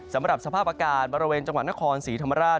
สำหรับสภาพอากาศบริเวณจังหวัดนครศรีธรรมราช